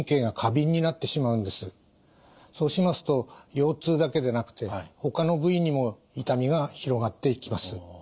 そうしますと腰痛だけでなくてほかの部位にも痛みが広がっていきます。